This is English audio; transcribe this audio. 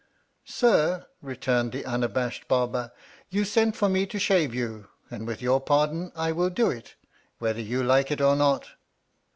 Sir, returned the unabashed Barber, you sent for me to shave you, and with your pardon I will do it, whether you like it or not.